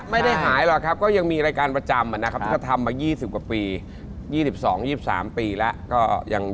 ไม่ได้หายหรอกครับก็ยังมีรายการประจำนะครับที่เขาทำมา๒๐กว่าปี๒๒๒๒๓ปีแล้วก็ยัง